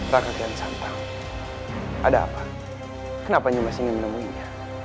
raka kian santang ada apa kenapa nyumas ingin menemuinya